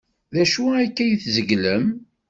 D acu akka ay tzeglem?